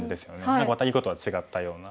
また囲碁とは違ったような。